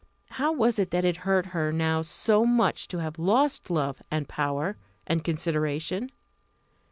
How was it that it hurt her now so much to have lost love, and power, and consideration?